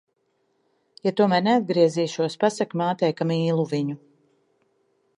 Ja tomēr neatgriezīšos, pasaki mātei, ka mīlu viņu.